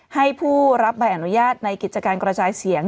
ให้ผู้รับใบอนุญาตในกิจการกระจายเสียง